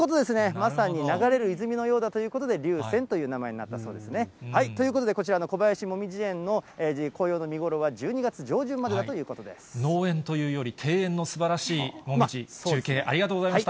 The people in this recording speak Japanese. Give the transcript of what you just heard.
まさに流れる泉のようだということで、流泉という名前になったそうですね。ということで、こちらの小林もみじ園の紅葉の見ごろは１２月上旬までだというこ農園というより、庭園のすばらしいもみじ、中継ありがとうございました。